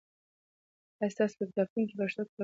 آیا ستاسې په کتابتون کې پښتو کتابونه سته؟